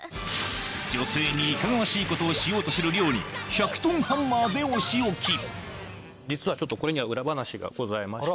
女性にいかがわしいことをしようとするに１００ｔ実はちょっとこれには裏話がございまして。